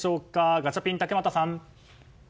ガチャピン、竹俣さん。